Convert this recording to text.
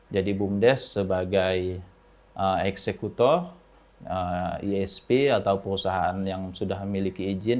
jadi bumdes sebagai eksekutor isp atau perusahaan yang sudah memiliki ijin